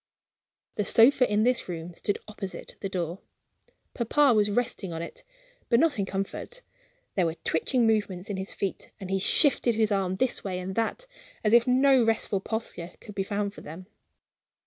The sofa in this room stood opposite the door. Papa was resting on it, but not in comfort. There were twitching movements in his feet, and he shifted his arms this way and that as if no restful posture could he found for them.